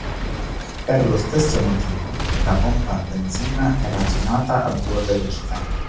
Per lo stesso motivo, la pompa benzina era azionata a due velocità.